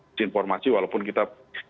disinformasi walaupun kita